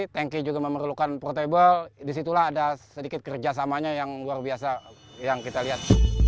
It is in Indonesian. tanki juga memerlukan portable disitulah ada sedikit kerjasamanya yang luar biasa yang kita lihat